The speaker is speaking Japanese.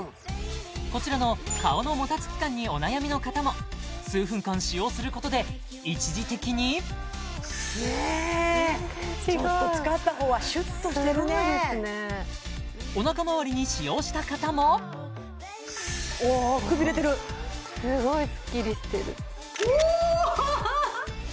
こちらの顔のもたつき感にお悩みの方も数分間使用することで一時的にねぇちょっと使ったほうはシュッとしてるねおなかまわりに使用した方もわくびれてるすごいスッキリしてるおハハハ